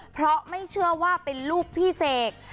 เพราะไม่เชื่อว่าเป็นลูกพี่เสก